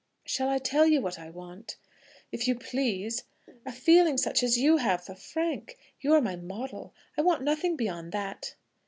"Shall I tell you what I want?" "If you please." "A feeling such as you have for Frank. You are my model; I want nothing beyond that."